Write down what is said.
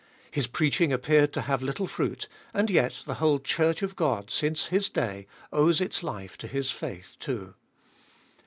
His preaching appeared to have little fruit, and yet the whole Church of God, since his day, owes its life to his faith too.